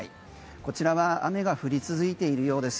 こちらは雨が降り続いているようです。